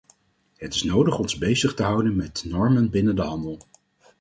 Het is nodig ons bezig te houden met normen binnen de handel.